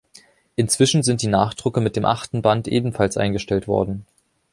Inzwischen sind die Nachdrucke mit dem achten Band ebenfalls eingestellt worden.